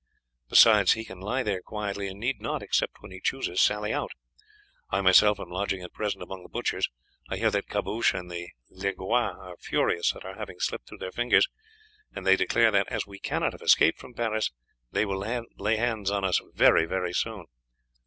Besides, he can lie there quietly, and need not, except when he chooses, sally out. I myself am lodging at present among the butchers. I hear that Caboche and the Legoix are furious at our having slipped through their fingers, and they declare that, as we cannot have escaped from Paris, they will lay hands on us very soon."